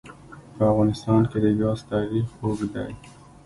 په افغانستان کې د ګاز تاریخ اوږد دی.